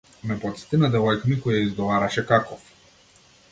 Ме потсети на девојка ми која изговараше какоф.